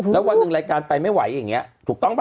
แล้ววันหนึ่งรายการไปไม่ไหวอย่างนี้ถูกต้องป่